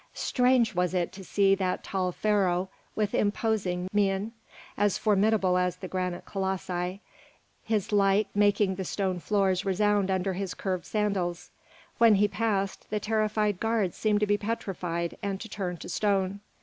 Strange was it to see that tall Pharaoh with imposing mien, as formidable as the granite colossi, his like, making the stone floors resound under his curved sandals. When he passed, the terrified guards seemed to be petrified and to turn to stone.